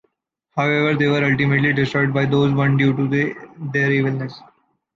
However they were ultimately destroyed by those one due to their evilness.